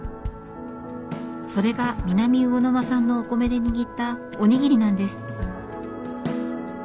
それが南魚沼産のお米で握ったおにぎりなんです。